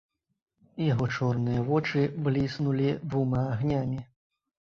Яго чорныя вочы бліснулі двума агнямі.